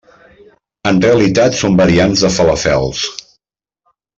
En realitat són variants de falàfels.